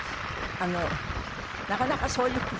なかなかそういう声